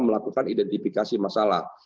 melakukan identifikasi masalah